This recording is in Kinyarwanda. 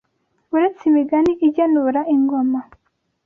Uretse imigani igenura ingoma